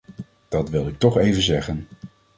Dat wilde ik toch even zeggen.